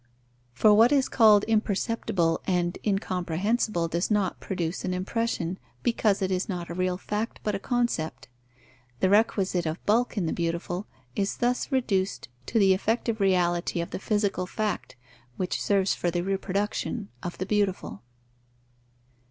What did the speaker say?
For what is called imperceptible and incomprehensible does not produce an impression, because it is not a real fact, but a concept: the requisite of bulk in the beautiful is thus reduced to the effective reality of the physical fact, which serves for the reproduction of the beautiful.